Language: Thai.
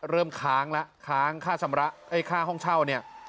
ค้างแล้วค้างค่าชำระค่าห้องเช่าเนี่ย